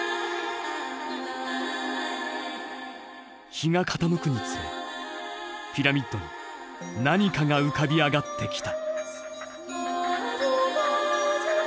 日が傾くにつれピラミッドに何かが浮かび上がってきた。